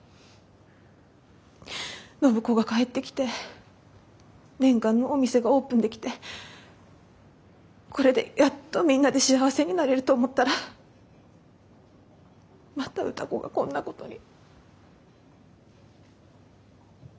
暢子が帰ってきて念願のお店がオープンできてこれでやっとみんなで幸せになれると思ったらまた歌子がこんなことに。